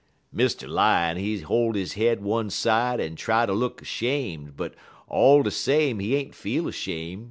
"Mr. Lion, he hol' he head one side en try ter look 'shame', but all de same he ain't feel 'shame'.